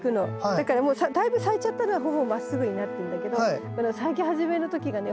だからだいぶ咲いちゃったのはほぼまっすぐになってんだけどこの咲き始めの時がね